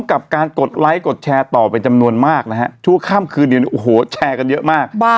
กับการกดไลค์กดแชร์ต่อเป็นจำนวนมากนะฮะชั่วข้ามคืนเนี่ยโอ้โหแชร์กันเยอะมาก